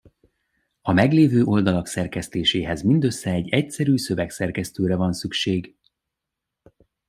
A meglévő oldalak szerkesztéséhez mindössze egy egyszerű szövegszerkesztőre van szükség.